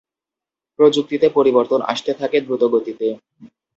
প্রযুক্তিতে পরিবর্তন আসতে থাকে দ্রুতগতিতে।